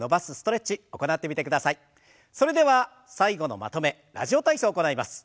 それでは最後のまとめ「ラジオ体操」を行います。